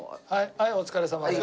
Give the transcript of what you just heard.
はいお疲れさまです。